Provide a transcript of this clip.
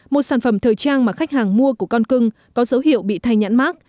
một sản phẩm thời trang mà khách hàng mua của con cưng có dấu hiệu bị thay nhãn mát